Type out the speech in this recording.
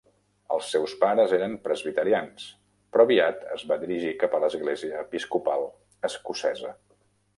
Els seus pares eren presbiterians, però aviat es va dirigir cap a l'església episcopal escocesa.